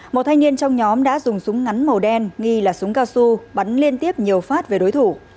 một thanh niên trong nhóm đã dùng súng ngắn màu đen nghi là súng cao su bắn liên tiếp nhiều phát về đối thủ